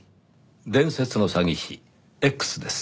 伝説の詐欺師Ｘです。